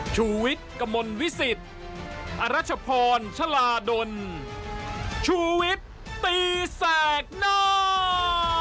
ชีวิตกมลวิสิตอรัชพรชลาดลชีวิตตีแสดงหน้า